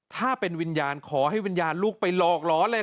ถ้าเป็นวิญญาณขอให้วิญญาณลูกไปหลอกหลอนเลย